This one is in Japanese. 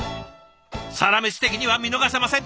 「サラメシ」的には見逃せません。